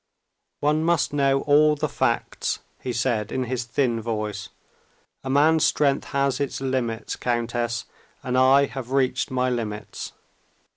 "One must know all the facts," he said in his thin voice. "A man's strength has its limits, countess, and I have reached my limits.